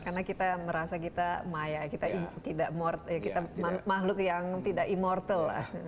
karena kita merasa kita maya kita makhluk yang tidak immortal